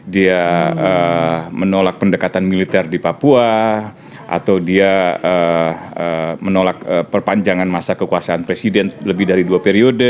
dia menolak pendekatan militer di papua atau dia menolak perpanjangan masa kekuasaan presiden lebih dari dua periode